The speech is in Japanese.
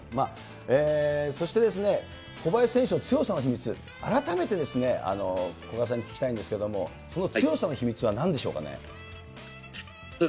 そして、小林選手の強さの秘密、改めて古賀さんに聞きたいんですけれども、その強さの秘密はなんでしょうかね。